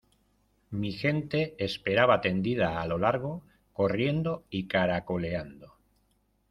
mi gente esperaba tendida a lo largo, corriendo y caracoleando.